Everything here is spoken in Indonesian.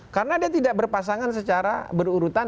karena dia tidak berpasangan secara berurutan